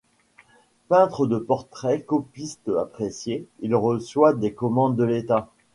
Peintre de portrait, copiste apprécié, il reçoit des commandes de l'État.